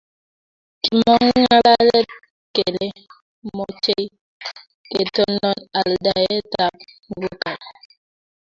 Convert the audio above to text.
kimong'u ng'alalet kele mochei ketonon aldaetab muguka